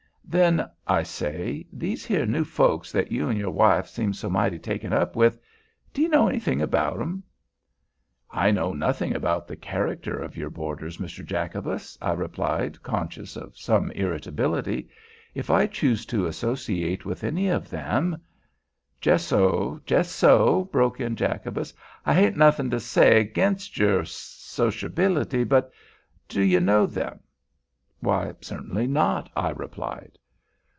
"Then—I say—these here new folk that you 'n' your wife seem so mighty taken up with—d'ye know anything about 'em?" "I know nothing about the character of your boarders, Mr. Jacobus," I replied, conscious of some irritability. "If I choose to associate with any of them——" "Jess so—jess so!" broke in Jacobus. "I hain't nothin' to say ag'inst yer sosherbil'ty. But do ye know them?" "Why, certainly not," I replied.